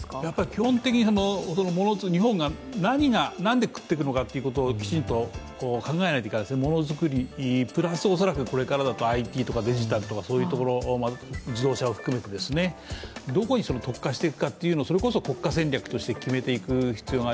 基本的に日本が何で食ってくのかをきちんと考えないといけないですね、ものづくりプラス、これからだとＩＴとかデジタルとか、そういうところ、自動車を含めて、どこに特化していくか、それこそ国家戦略として決めていく必要が。